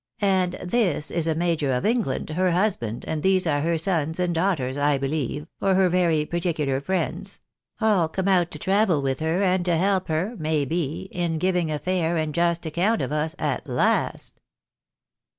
" And this is a major of England, her husband, and these are her sons and daughters, I believe, or her very particular friends ; aU come out to travel with her, and to help her, may be, in giving a fair and just account of us at last."